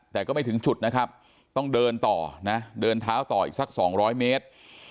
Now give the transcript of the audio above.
แต่ก็ไม่ถึงจุดนะครับต้องเดินต่อนะเดินเท้าต่ออีกสัก๒๐๐เมตร